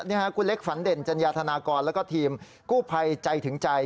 นี่ค่ะคุณเล็กฝันเด่นจัญญาธนากรแล้วก็ทีมกู้ภัยใจถึงใจ